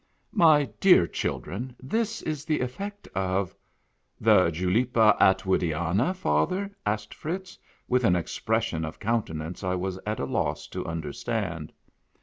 i^i " My dear children, this is theeffectof. .."" The Julepa Attwoodiana, father ?" asked Fritz, with an expression of countenance I was at a loss to understand.